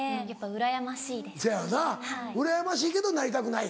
うらやましいけどなりたくない。